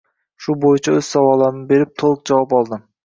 Shu boʻyicha oʻz savollarimni berib, toʻliq javob oldim.